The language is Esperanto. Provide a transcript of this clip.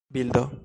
bildo